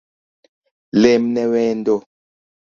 Lemne wendo